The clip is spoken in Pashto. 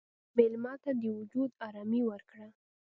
مېلمه ته د وجود ارامي ورکړه.